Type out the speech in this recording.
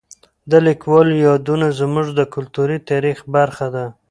د لیکوالو یادونه زموږ د کلتوري تاریخ برخه ده.